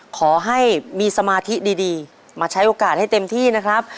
ขอให้มีสมาธิดีมาใช้โอกาสให้เต็มที่นะครับ